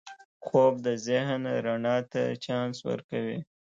خوب د ذهن رڼا ته چانس ورکوي